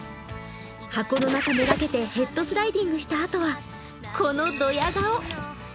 箱の中目がけてヘッドスライディングしたあとは、このドヤ顔。